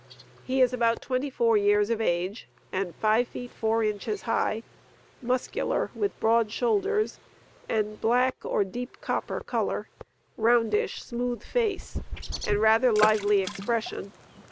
He is about 24 years of age, and 5 feet 4 inches high; muscular, with broad shoulders, and black or deep copper color; roundish, smooth face, and rather lively expression.